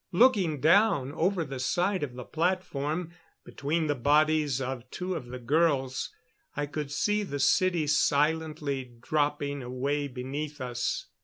Looking down over the side of the platform, between the bodies of two of the girls, I could see the city silently dropping away beneath us.